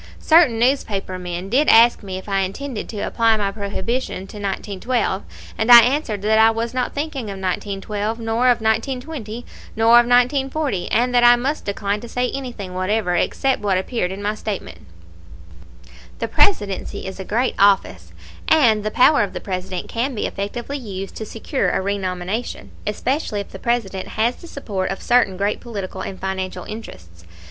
Certain newspaper men did ask me if I intended to apply my prohibition to 1912, and I answered that I was not thinking of 1912, nor of 1920, nor of 1940, and that I must decline to say anything whatever except what appeared in my statement. The Presidency is a great office, and the power of the President can be effectively used to secure a renomination, especially if the President has the support of certain great political and financial interests.